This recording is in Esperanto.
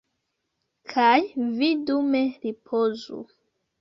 Kaj vi dume ripozu.